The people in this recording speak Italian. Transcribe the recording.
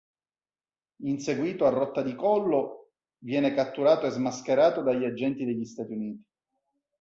Inseguito a rotta di collo, viene catturato e smascherato dagli agenti degli Stati Uniti.